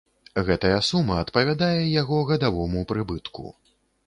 Гэтая сума адпавядае яго гадавому прыбытку.